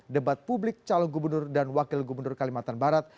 debat publik calon gubernur dan wakil gubernur kalimantan barat